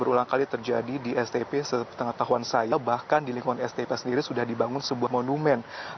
berulang kali terjadi di stp sepengetahuan saya bahkan di lingkungan stip sendiri sudah dibangun sebuah monumen